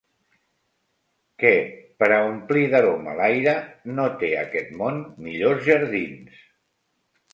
...que, per a omplir d'aroma l'aire, no té aquest món millors jardins.